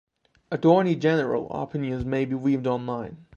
Attorney General opinions may be viewed online.